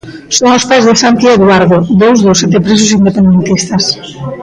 Son os pais de Santi e Eduardo, dous dos sete presos independentistas.